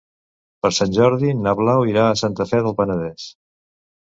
Per Sant Jordi na Blau irà a Santa Fe del Penedès.